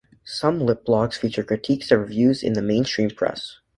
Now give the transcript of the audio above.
Some litblogs feature critiques of reviews in the mainstream press.